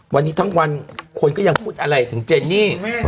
วันนี้ทั้งวันคนก็ยังพูดอะไรถึงเจนี่